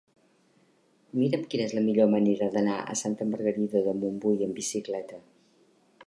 Mira'm quina és la millor manera d'anar a Santa Margarida de Montbui amb bicicleta.